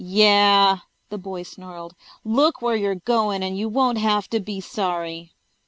"Yah!" the boy snarled. "Look where you're goin' and you won't have to be sorry."